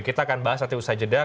kita akan bahas nanti usaha jeda